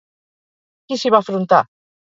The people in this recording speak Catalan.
Qui s'hi va afrontar?